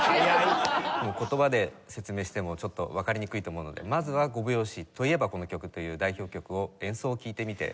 言葉で説明してもちょっとわかりにくいと思うのでまずは５拍子といえばこの曲という代表曲を演奏を聴いてみて。